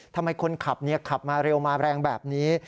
ทำไมคนขับขับมาเร็วมาแรงแบบนี้